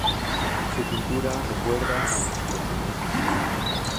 Su pintura recuerda al expresionismo.